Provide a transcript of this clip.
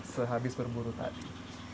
sehabis berburu tadi